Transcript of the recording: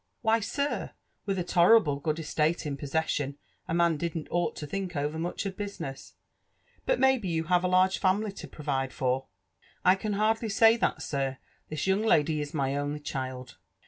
" Why, sir, with a tolerable good estate in possession, a man didn't ought to think over much of business. But maybe you have alai^e family to provide for?" "I can hardly say that, sir: this young lady is my only child."